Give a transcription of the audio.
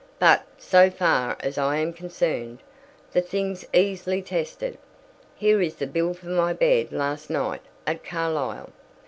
But, so far as I am concerned, the thing's easily tested. Here is the bill for my bed last night at Carlisle.